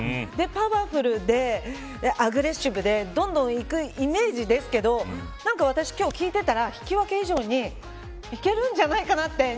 パワフルで、アグレッシブでどんどんいくイメージですけれど私、今日聞いてたら引き分け以上にいけるんじゃないかなって。